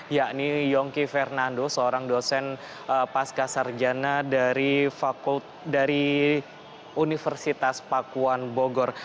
yakni yongki fernando seorang dosen pasca sarjana dari universitas pakuan bogor